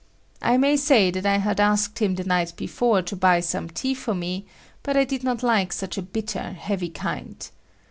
I may say that I had asked him the night before to buy some tea for me, but I did not like such a bitter, heavy kind.